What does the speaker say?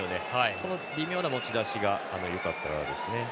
この微妙な持ち出しがよかったですね。